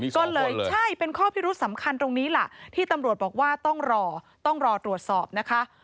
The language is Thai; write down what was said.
ก็เลยใช่เป็นข้อพิรุษสำคัญตรงนี้ล่ะที่ตำรวจบอกว่าต้องรอต้องรอตรวจสอบนะคะ